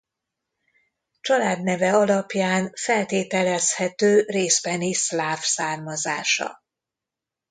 Családneve alapján feltételezhető részbeni szláv származása.